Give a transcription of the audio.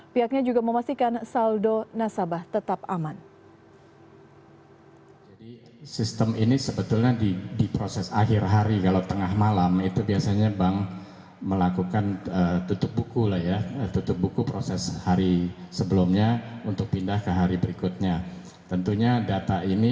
pihaknya juga memastikan saldo nasabah tetap aman